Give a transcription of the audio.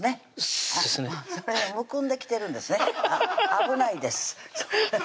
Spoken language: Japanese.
危ないです